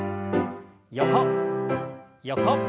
横横。